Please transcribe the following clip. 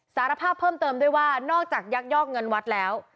สารภาพเพิ่มเติมด้วยว่านอกจากยักยอกเงินวัดแล้ว